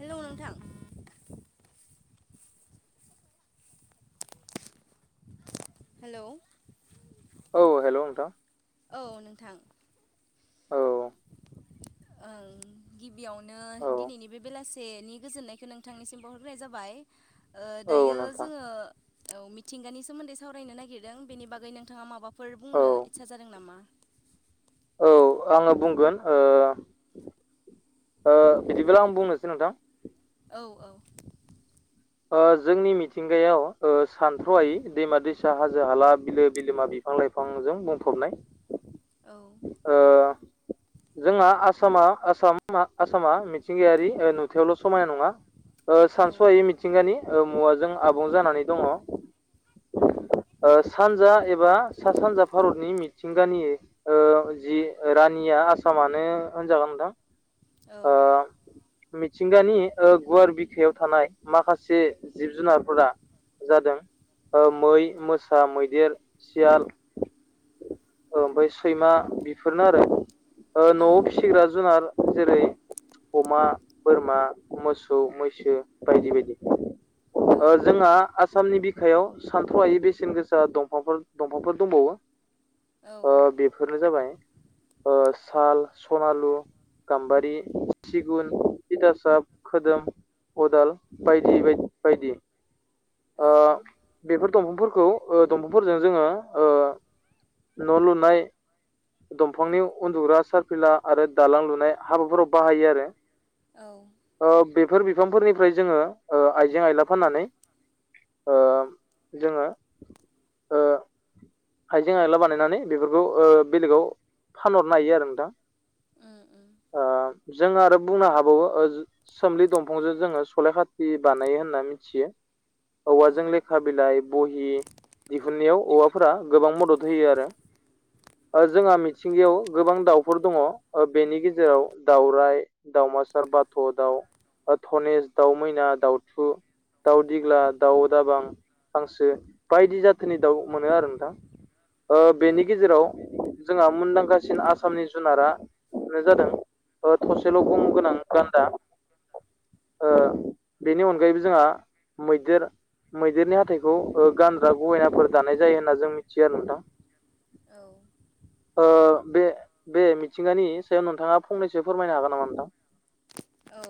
Hello नोंथां hello औ hello नोंथां औ नोंथां औ [inaudible] ओं गिबियावनो दिनैनि बे बेलासेनि गोजोननायखौ नोंथांनिसिम बावहरग्रोनाय जाबाय ओ औ दायो नोंथां जोङो मिथिंगानि सोमोन्दै सावरायनो नागिरदों बेनि बागै नोंथाङा माबाफोर औ बुंनो इतसा जादों नामा? [inaudible] औ आङो बुंगोन ओ ओ बिदिब्ला आं बुंनोसै नोंथां। औ औ जोंनि मिथिंगायाव सानथ्र'यायै दैमा दैसा हाजो हाला बिलो बिलोमा बिफां फां लाइफांजों बुंफबनाय औ ओ जोंहा आसामा आसाम आसामा मिथिंगायारि नुथायावल' समायना नङा औ सानस'याय मिथिंगानि मुवाजों आबुं जानानै दङ ओ ओ सानजा एबा सा सानजा भारतनि मिथिंगानि ओ जि रानि आसामानो होनजागोन नोंथां औ ओ मिथिंगानि गुवार बिखायाव थानाय माखासे जिब जुनारफोरा जादों मै मोसा मैदेर सियाल ओमफ्राय सैमा बेफोरनो आरो औ न'आव फिसिग्रा जुनार जेरै अमा बोरमा मोसौ मैसो बायदि बायदि औ जोंहा आसामनि बिखायाव सानथ्र'आायै बेसेन गोसा दंफांफोर दंफांफोर औ दंबावो बेफोरनो जाबाय साल सनालु गाम्बारि सिगुन थिथासाब खोदोम अदाल बायदि बायदि बायदि औ बेफोर दंफांफोरखौ दंफांजों जोङो न' लुनाय दंफांनि उन्दुग्रा सारफिला आरो दालां लुनाय हाबाफोराव बाहायो आरो औ बेफोर बिफांफोरनिफ्राय जोङो आइजें आइला फाननानै जोङो हाइजें आइला बानायनानै बेफोरखौ बेलेगाव फानहरनो हायो आरो उम उम नोंथां जों आरो बुंनो हाबावो सोमलि दंफांजों जोङो सल खाथि बानायो होनना मिथियो औ औवाजों लेखा बिलाइ बहि दिहुननायाव औवाफोरा गोबां मदद होयो आरो [inaudible] ओ जोंहा मिथिंगायाव गोबां दाउफोर दङ बेनि गेजेराव दाउराय दाउमासार बाथ थ' दाउ धनेस दाउ मैना दाउथु दाउ दिग्ला दाउ दाबाम हांसो बायदि जाथोनि दाउ मोनो आरो नोंथां ओ बेनि औ गेजेराव जोंहा मुंदांखा सिन आसामनि जुनारा जादों थसेल' गं गोनां गान्दा ओ बेनि अनगायैबो जोंहा मैदेर मैदेरनि हाथाइखौ गानग्रा गहायनाफोर दानाय जायो होन्ना जों मिथियो आरो नोंथां औ ओ बे बे मिथिंगानि सायाव नोंथाङा फंनैसो फोरमायनो हागोन नामा नोंथां औ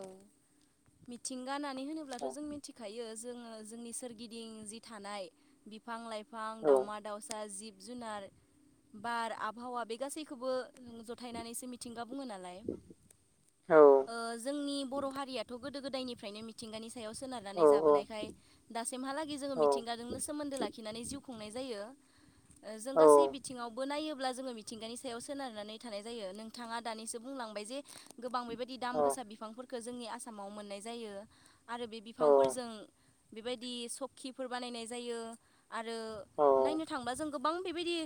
मिथिंगा होनानै होनोब्लाथ' औ जों मिथिखायो जोङो जोंनि सोरगिदिं जि थानाय बिफां लाइफां दावमा दाउसा जिब जिब जुनार बार आबहावा बे गासैखौबो जथायनानैसो मिथिंगा बुङो नालाय औ जोंनि बर' हारियाथ' गोदो गोदायनिफ्रायनो मिथिगानि सायाव सोनारनानै औ जाबोनायखाय दासिमहालागै जोङो मिथिंगाजोंनो सोमोन्दो लाखिनानै जिउ खुंनाय जायो जों औ गासै बिथिङावबो नायो मिथिंगानि सायाव सोनारनानोय थानाय जायो नोंथांआ दानिसो बुलांबाय जे गोबां बेबादि दाम औ गोसा बिफांफोरखौ जोंनि आसामाव मोननाय जायो आरो बे औ बिफांफोरजों बेबायदि सखिफोर बानायनाय जायो आरो औ नायनो थांबा जों गोबां बेबायदि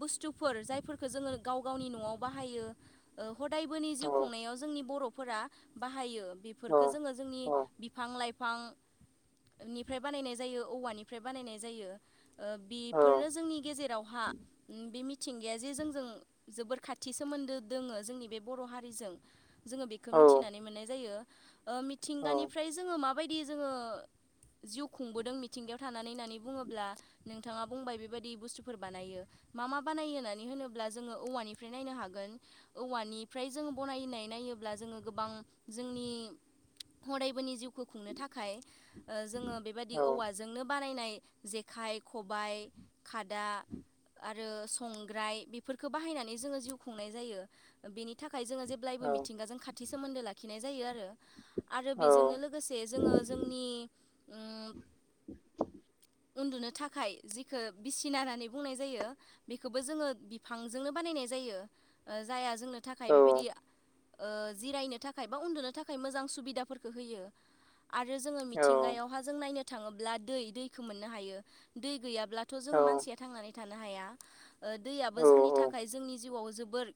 बुस्थुफोर जायफोरखौ जोङो गाव गावनि न'आव बाहायो ओ हदायबोनि जिउ खुंनायाव जोंनि बर'फोरा बाहायो औ बेफोरखौ जोङो जोंनि औ बिफां लाइफां बिफांनिफ्राय बानायनाय जायो औवानिफ्राय बानायनाय जायो बेफोरनो जोंनि गेजेरावहा बे मिथिंगायाजे जों जोबोर खाथि सोमोन्दो दोङो जोंनि बे बर' हारिजों जोङो औ मिथिनानोय मोननाय जायो मिथिंगानिफ्राय जोङो माबायदि जोङो जिउ खुंबोदों मिथिंगायाव थानानै होननानै बुङोब्ला नोंथाङा बुंबाय बेबायदि बुस्थुफोर बानायो मा मा बानायो होननानै होनोब्ला जोङो औवानिफ्राय नायनो हागोन औवानिफ्राय जों बनायनाय नाय नायोब्ला जोङो गोबां जोंनि अरायबोनि जिउखौ खुंनो थाखाय ओ जोङो बेबायाददि औवाजोंनो बानायनाय जेखाइ खबाय खादा आरो संग्राय बेफोरखौ बाहायनानै जोङो जिउ खुंनाय जायो बेनि थाखाय जोङो जेब्लायबो मिथिंगाजों खा सोमोन्दो लाखिनाय जायो आरो आरो बेजोंनो औ लोगोसे जोङो जोंनि ओ उन्दुनो थाखाय जिखौ बिसिना होननानै बुंनाय जायो बेखौबो जोङो बिफांजोंनो बानायनाय जायो जायो जाया जोंनि थाखाय औ बेबायदि ओ जिरायनो थाखाय बा उन्दुनो थाखाय मोजां सुबिदाफोरखौ होयो आरो जोङो औ मिथिंगायावहा जों नायनो थाङोब्ला दै दैखौ मोननो हायो दै गैयाब्ला ब्लाथ' औ जोङो मानसिया थांनानै थानो हाया ओ दैआबो औ जोंनि थाखाय जोंनि जिवाव जोबोर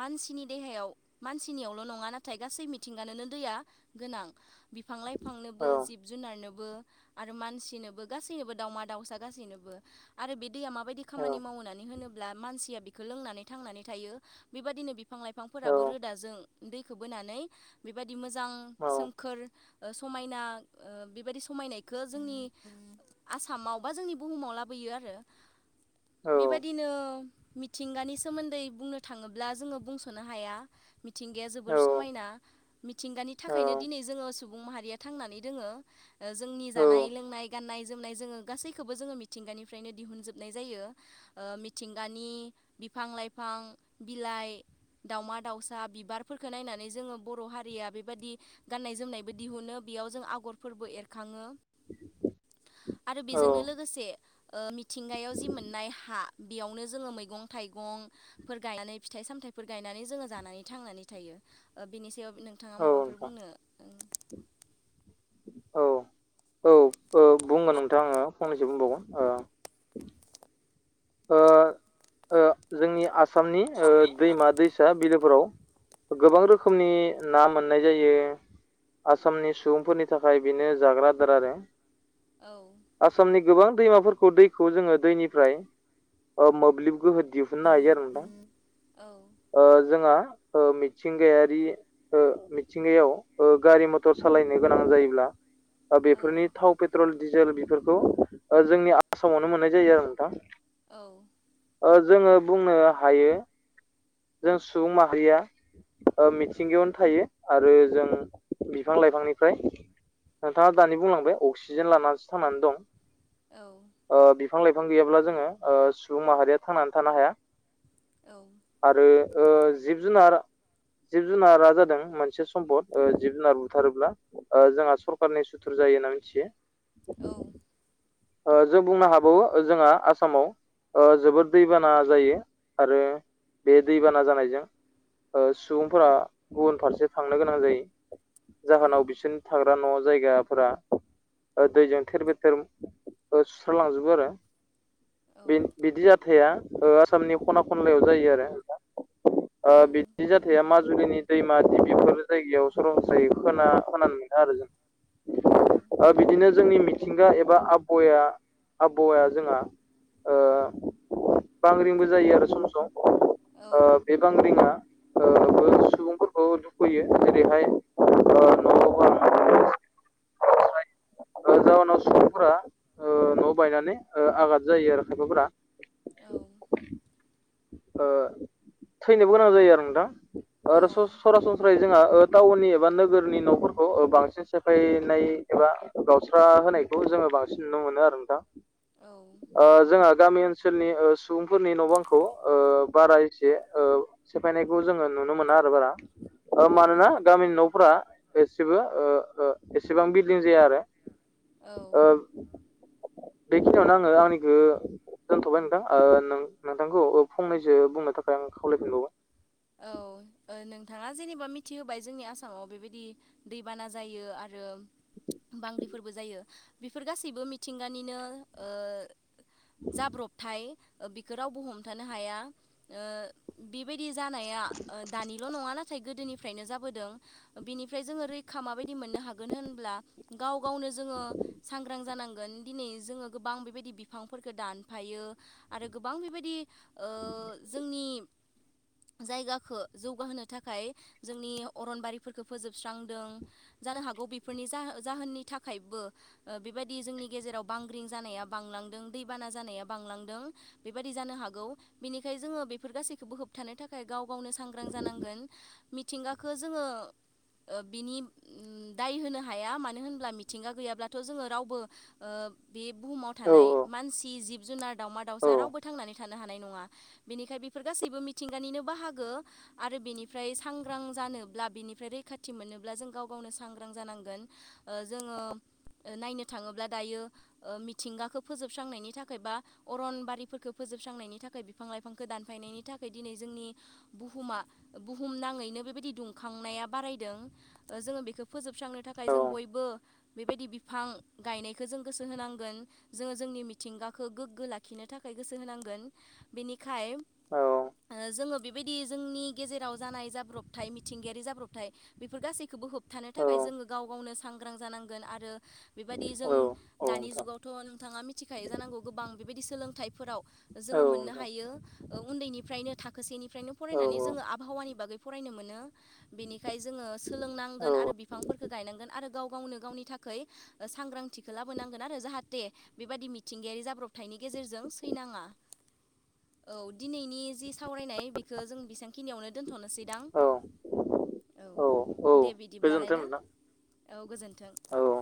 मानसिनि देहायाव मानसिनियावल' नङा नाथाय गासै मिथिंगानोनो दैया गोनां बिफां लाइफां औ थांनोबो जिब जुनारनोबो बो आरो मानसिनोबो गासोयनोबो दावमा दावसा गासोयनोबो दैया माबायदि औ खामानि मावनानै होनोब्ला मानसिया बि लोंनानै थांनानै थायो बेबायनो बिफां औ लाइफांफोराबो रोदाजों दैखौ बोनानै बेबायादि मोजां औ सोमखोर समायना ओ बेबादि समायनायखौ जोंनि आसामाव बा जोंनि बुहुमाव लाबोयो। बियो आरो औ बेबायाददिनो मिथिंगानि सोमोन्दै बुंनो थाङोब्ला जोङो बुंस'नो हाया। मिथिंगाया जोबोर समायना मिथिंगानि थाखायनो दिनै जोङो सुबुं बुं माहारिया थांनानै दोङो। जोंनि औ जानाय लोंनाय गान्नाय जोमनाय जोङो गासैखौबो जोङो मिथिंगानि फ्रायनो दिहुनजोबनाय जायो मिथिंगानि बिफां लाइफां बिलाइ दाउमा दाउसा बिबारफोरखौ नायनानै जोङो बर' हारिया बेबायदि गान्नाय जोमनायबो दिहुनो बेयाव जों आवग्रि आगरफोरबो एरखाङो आरो बेजोंनो लोगोसे ओ मिथिंगायाव जि मोननाय हा बेयावनो जोङो मैगं थाइगंफोर गायनानै फिथाइ सामथायाइफोर गायनानै जोङो जानानै थांनानै थायो बेनि सायाव नोंथाङा औ माबाफोर नोंथां बुंनो औ औ औ बुंगोन नोंथां आङो फंनैसो बुंबावगोन ओ [unintelligible] नि आसामनि आसामनि दैमा दैसा बिलोफोराव गोबां रोखोमनि ना मोननाय जायो आसामनि सुबुंफोरनि थाखाय बेनो जाग्रा दार आरो ओ आसामनि गोबां दैमाफोरखौ दैखौ जोङो दैनिफ्राय मोब्लिब गोहो दिह नायो आरो नोंथां औ ओ जोंहा ओ मिथिंगायारि ओ मिथिंगायाव ओ गारि मथर सालाय गोनां जायोब्ला बेफोरनि थाव पेट्रल डिजेल बेफोरखौ जोंनि आसामावनो मोननाय जायो आरो नोंथां औ ओ जोङो बुंनो हायो जों सुबुं माहारिया ओ मिथिंगायावनो थायो आरो जों बिफां लाइफांनिफ्राय नोंथाङा दानि बुंलांबाय अक्सिजेन लानानैसो थानानै दं ओ बिफां लाइफां गैयाब्ला जोङो ओ सुबुं माहारिया थांनानै थानो हाया आरो ओ जिब जुनार जिब जुनारा जादों मोनसे सम्पद जिब जुनार बुथारोब्ला ओ जोंहा सरखारनि सुथुर जायो होनना मिथियो औ ओ जों बुंनो हाबाव जोंहा आसामाव ओ जोबोर दैबाना जायो आरो बे दैबाना जानायजों ओ सुबुंफोरा गुबुन फारसे थांनो गोनां जायो जाहोनाव बिसोरनि थाग्रा न' जायगाफोरा दैजों थेर बेथेर सुस्रालांजोबो आरो बिदि जाथाया ओ आसामनि खना खनलायाव जायो आरो नोंथां ओ बिदि जाथाया माजुलिनि दैमा दैबिफोर जायगायाव सरनस्रायै खोना खोनानो [unintelligible] आरो जों औ ओ बिदिनो जोंनि मिथिंगा एबा आब बया आबहावाया जोंहा ओ बांग्रिंबो जायो आरो सम सम ओ बे बांग्रिंआ ओ सुबुंफोरखौ दुखुहोयो जेरैहाय ओ न'बां ओ जाउनाव सुबुंफोरा ओ न' बायनानै आघाद जायो आरो खायफाफोरा ओ थैनोबो गोनां जायो आरो नोंथां आरो सरासनस्रायै जोंहा ओ टाउननि एबा नोगोरनि न'फोरखौ बांसिन सेफायनाय एबा गावस्रा होनायखौ जोङो बांसि नुनो मोनो आरो नोंथां ओ जोंहा गामि ओन सोलनि ओ सुबुंफोरनि न' बांखौ ओ बारा एसे ओ सेफायनायखौ जोङो नुनो मोना। बार बारा। ओ मानोना गामिनि न'फ्रा एसेबो ओ ओ एसेबां बिल्डिं जाया आरो। औ। ओ बेखिनियावनो आङो आंनिखो दोनथ'बाय नोंथां ओ नोंथांखौ फंनैसो बुंनो थाखाय आं खावलायफिनबावबाय। नोंथाङा जेनेबा मिथिहोबाय जोंनि आसामाव बेबायदि दैबाना जायो आरो। बांग्रिफोरबो जायो बेफोर गासैबो मिथिंगानिनो ओ जाब्रबथाय बिखौ रावबो हमथानो हाया ओ बेबायदि जानाया ओ दानिल' नङा नाथाय गोदोनिफ्रायनो जाबोदों बेनिफ्राय जोङो रैखा माबायदि मोन नो हागोन होमब्ला गाव गावनो जोङो सांग्रां जानां गोन दिनै जोङो गोबां बेबायदि बिफांफोरखौ दानफायो आरो गोबां बेबायदि ओ जोंनि जायगाखौ जौगाहोनो थाखाय जोंनि अरनबारिफोरखौ फोजोबस्रांदों। जानो हागौ बेफोरनि जा-जाहोननि थाखायबो ओ बेबायदि जोंनि गेजेराव बांग्रिं जानाया बांलां दों दैबाना जानाया बांलांदों बेबादि जानो हागौ बेनिखाय जों बेफोर गासैखौबो होब थानो थाखाय गाव गावनो सांग्रां जानांगोन मिथिंगाखौ जोङो ओ बिनि दाय होनो हाया मानो होनब्ला मिथिंगा गैयाब्लाथ' जोङो रावबो ओ बे बुहुमाव औ थानाय मानसि जिब जुनार दावमा औ दावउसा रावबो थांनानै थानो हानाय नङा बेनिखाय बेफोर गासैबो मिथिंगानिनो बाहागो आरो बेनिफ्राय सांग्रां जानोब्ला बेनिफ्राय रैखाथि मोननोब्ला जों गाव गाव नो सांग्रां जानांगोन ओ जोङो नायनो थाङोब्ला दायो ओ मिथिंगाखौ फोजोबस्रांनायनि थाखाय बा अरनबारिफोरखौ फोजो जोबस्रांनायनि थाखाय बिफां लाइफांखौ दानफायनायनि थाखाय दिनै जोंनि बुहुमा बुहुमनाङैनो बेबायदि दुंखांनाया बारायदों। जोङो बेखौ फोजोबस्रांनो थाखाय औ जों बयबो बेबायदि बिफां गायनायखौ जों गोसो होनांगोन। जोङो जोंनि मिथिंगाखौ गोग्गो लाखिनो थाखाय गोसो होनांगोन बेनिखाय ओ जोङो बेबायदि जोंनि गेजेराव जानाय जाब्रबथाय मिथिंगायारि जाब्रबथाय बेफोर गासैखौबो होब थानो औ थाखाय जोङो गाव गावनो सांग्रां जानांगोन आरो बेबायदि जों औ औ दानि नोंथां जुगावथ' नोंथाङा मिथिखायो जानांगौ गोबां बेबायदि सोलोंथाइफोराव औ जोङो मोननो नोंथां हायो उन्दैनि फ्रायनो थाखोसेनिफ्रायनो औ फरायनानै जोङो आबहावानि बागै फरायनो मोनो बेनिखाय जोङो सोलोंना नांगोन औ आरो बिफांफोरखौ गायनांगोन आरो गाव गावनो गावनि थाखाय सांग्रांथिखौ लाबोनांगोन आरो जाहाथे बेबादि मिथिंगायारि जाब्रबथायनि गेजेरजों सैनाङा औ दिनैनि जि सावरायनाय बेखौ जों बेसेबांखिनियावनो दोनथ'नोसैदां औ औ। औ दे बिदिब्लालाय गोजोन्थों ना नोंथां औ गोजोन्थों। औ